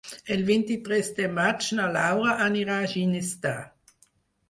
El vint-i-tres de maig na Laura anirà a Ginestar.